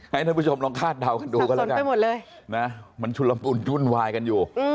ให้ท่านผู้ชมลองคาดเดาดูกันเลยนะมันชุดลำอุ่นยุ่นวายกันอยู่